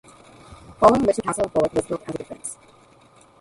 Following which the castle of "Bulak" was built as a defence.